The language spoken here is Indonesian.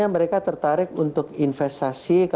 dan keempat adalah tanjung lesung